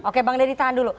oke bang deddy tahan dulu